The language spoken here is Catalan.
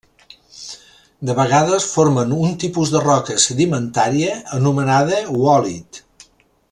De vegades formen un tipus de roca sedimentària anomenada oòlit.